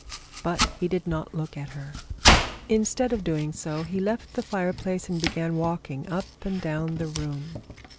But he did not look at her. Instead of doing so, he left the fire place and began walking up and down the room.